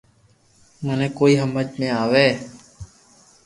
مني ڪوئي ھمج ۾ آوي